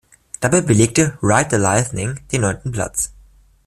Dabei belegte "Ride the Lightning" den neunten Platz.